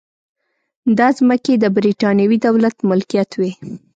دا ځمکې د برېټانوي دولت ملکیت وې.